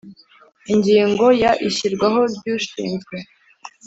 Ingingo ya ishyirwaho ry ushinzwe